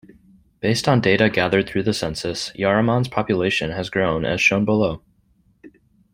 Based on data gathered through the census, Yarraman's population has grown as shown below.